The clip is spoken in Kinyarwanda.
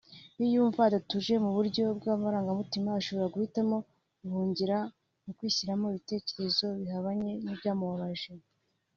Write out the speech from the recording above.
Iyo yumva adatuje mu buryo bw’amarangamutima ashobora guhitamo guhungira mu kwishyiramo ibitekerezo bihabanye n’ibyamubabaje